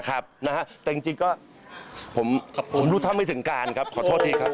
ครับนะฮะแต่จริงก็ผมรู้เท่าไม่ถึงการครับขอโทษทีครับ